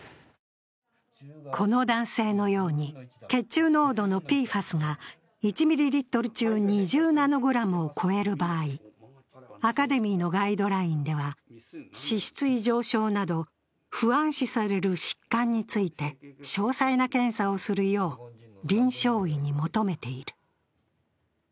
この男性のように、血中濃度のＰＦＡＳが１ミリリットル中２０ナノグラムを超える場合、アカデミーのガイドラインでは脂質異常症など不安視される疾患について詳細な検査をするよう臨床医に求めている。